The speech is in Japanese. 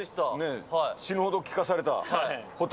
死ぬほど聞かされた、保田。